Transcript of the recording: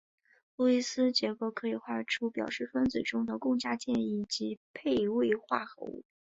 路易斯结构可以画出表示分子中的共价键以及配位化合物。